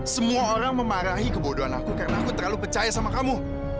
semua orang memarahi kebodohan aku karena aku terlalu percaya sama kamu